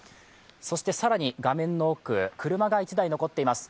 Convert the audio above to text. そして更に画面奥、車が１台残っています